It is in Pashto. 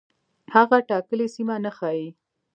هغه ټاکلې سیمه نه ښيي.